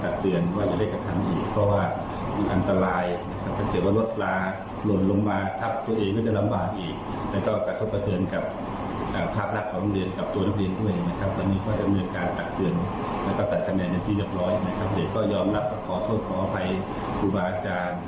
เดี๋ยวก็ยอมรับว่าขอโทษขออภัยครูบาอาจารย์